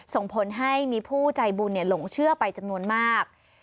ส่งผลให้มีผู้ใจบุญหลงเชื่อไปจำนวนมาก